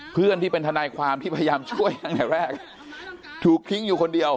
เพื่อนที่เป็นทนายความที่พยายามช่วยตั้งแต่แรกถูกทิ้งอยู่คนเดียว